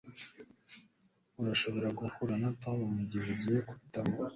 Urashobora guhura na Tom mugihe ugiye mubitabo